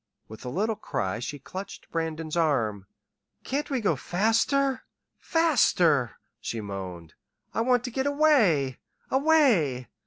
With a little cry she clutched Brandon's arm. "Can't we go faster faster," she moaned. "I want to get away away!"